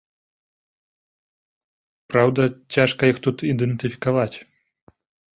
Праўда, цяжка іх тут ідэнтыфікаваць.